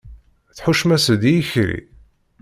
Tḥuccem-as-d i ikerri?